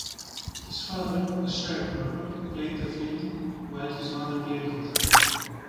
His father, a sharecropper, played the fiddle, while his mother played guitar.